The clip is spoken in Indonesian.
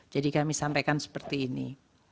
jadi kami sampaikan seperti ini